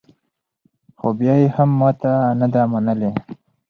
خو بیا یې هم ماته نه ده منلې